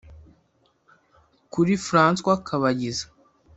Kuri Francois Kabayiza